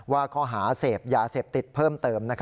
ข้อหาเสพยาเสพติดเพิ่มเติม